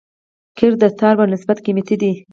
قیر د ټار په نسبت قیمتي دی